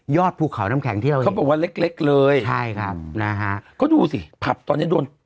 ยอดภูเขาน้ำแข็งเที่ยวเขาบอกว่าเล็กเลยใช่ครับนะฮะก็ดูสิผับตอนนี้โดน